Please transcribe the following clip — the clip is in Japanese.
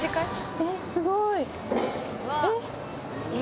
えっすごい！